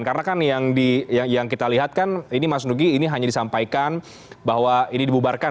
karena kan yang kita lihat kan ini mas nugi ini hanya disampaikan bahwa ini dibubarkan